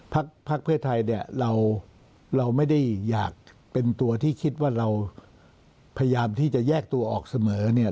พักเพื่อไทยเนี่ยเราไม่ได้อยากเป็นตัวที่คิดว่าเราพยายามที่จะแยกตัวออกเสมอเนี่ย